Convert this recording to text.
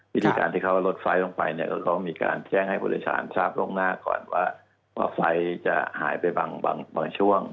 วิธีการที่เข้าลดไฟล์ลลงไปมีการแจ้งให้ผู้โดยสารทราบตรงหน้าก่อนว่าไฟล์ลจะหายไปบางช่วง